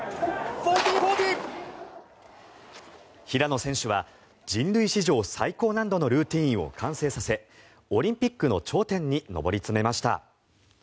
平野選手は人類史上最高難度のルーティンを完成させオリンピックの頂点に上り詰めました。